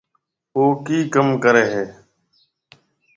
او ڪِي ڪم ڪري هيَ۔